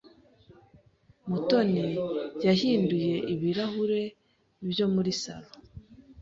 Mutoni yahinduye ibirahure byo muri saloon.